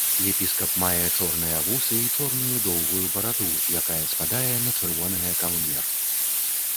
Епіскап мае чорныя вусы і чорную доўгую бараду, якая спадае на чырвонае каўнер.